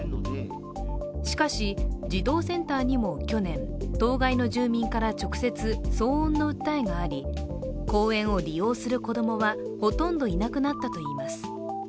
しかし、児童センターにも去年当該の住民から直接騒音の訴えがあり公園を利用する子供ほとんどいなくなったといいます。